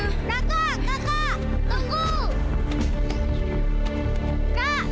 akan kulepaskan adikmu